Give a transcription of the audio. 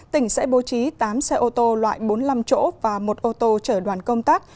tỉnh sẽ bố trí tám xe ô tô loại bốn mươi năm chỗ và một ô tô chở đoàn công tác